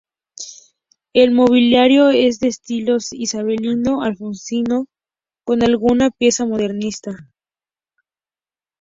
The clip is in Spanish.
El mobiliario es de estilo isabelino y alfonsino, con alguna pieza modernista.